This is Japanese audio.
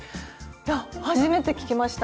いや初めて聞きました！